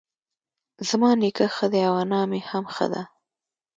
زما نيکه ښه دی اؤ انا مي هم ښۀ دۀ